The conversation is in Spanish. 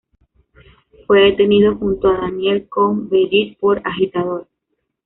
Fue detenido junto a Daniel Cohn-Bendit por agitador.